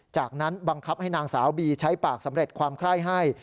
จากนั้นบังคับให้นางสาวบีใช้ปากสำเร็จความไคร้ให้